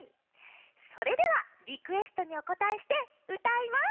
それではリクエストにおこたえしてうたいます。